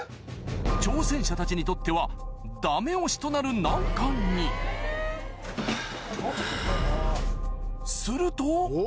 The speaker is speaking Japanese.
挑戦者たちにとってはダメ押しとなる難関に・はぁ・すると